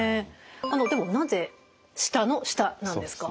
でもなぜ舌の下なんですか？